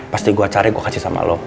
pasti gue cari gue kasih sama lo